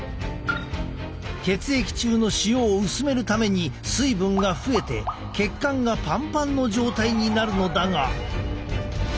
血液中の塩を薄めるために水分が増えて血管がパンパンの状態になるのだが。